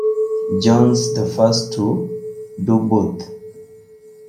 John's the first to do both.